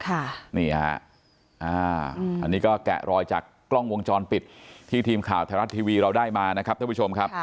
อันนี้ก็แกะรอยจากกล้องวงจรปิดที่ทีมข่าวไทยรัฐทีวีเราได้มานะครับท่านผู้ชมครับ